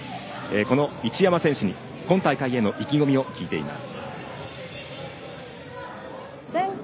この一山選手に今大会への意気込みを聞いています。